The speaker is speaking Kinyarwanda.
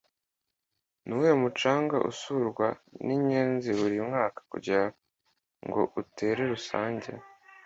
Nuwuhe mucanga usurwa ninyenzi buri mwaka kugirango utere rusange